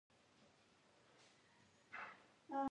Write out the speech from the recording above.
Some became pirates or mercenaries, others joined the Imperium.